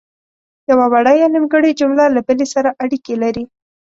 یوه وړه یا نیمګړې جمله له بلې سره اړیکې لري.